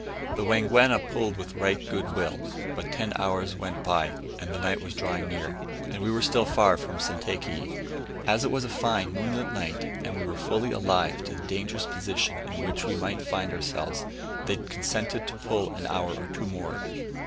The Wangwana pulled with right good will, but ten hours went by, and night was drawing near, and we were still far from Sentakeyi. As it was a fine moonlight night, and we were fully alive to the dangerous position in which we might find ourselves, they consented to pull an hour or two more.